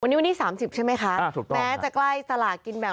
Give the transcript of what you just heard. วันนี้วันนี้สามสิบใช่ไหมคะอ่าถูกต้องแม้จะใกล้สลากินแบ่ง